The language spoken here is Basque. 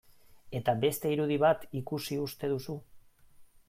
Eta beste irudi bat ikusi uste duzu...